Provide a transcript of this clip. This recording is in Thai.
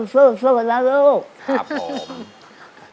เสิร์ฟเสิร์ฟกันแล้วลูกครับผมครับ